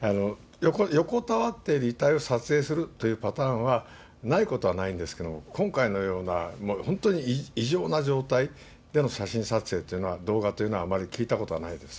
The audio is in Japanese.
横たわってる遺体を撮影するというパターンはないことはないんですけれども、今回のような、本当に異常な状態での写真撮影というのは、動画というのはあまり聞いたことはないです。